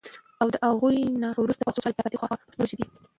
او د هغوی نه وروسته څو کاله را پدې خوا د پښتو ژبې